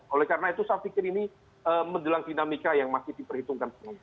oleh karena itu saya pikir ini menjelang dinamika yang masih diperhitungkan semua